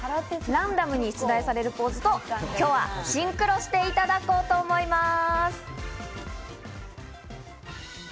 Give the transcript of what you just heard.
ランダムに出題されるポーズと今日はシンクロしていただこうと思います。